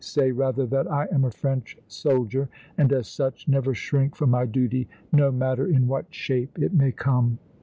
Say rather that I am a French soldier and as such never shrink from my duty no matter in what shape it may come!"